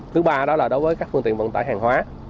thứ ba đó là đối với các phương tiện vận tải hàng hóa